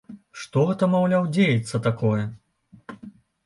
Што гэта маўляў дзеецца такое.